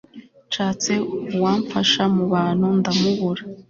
nshatse uwamfasha mu bantu, ndamubura